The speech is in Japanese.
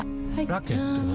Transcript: ラケットは？